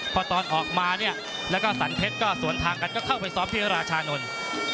พอตอนออกมาสันเทศก็สวนทางกันก็เข้าไปซ้อมพี่ราชานนท์